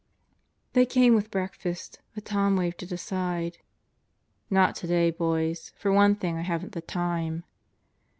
They came with breakfast, but Tom waved it aside. "Not today, boys. For one thing, I haven't the time."